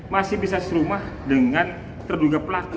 masih bisa serumah dengan terduga pelaku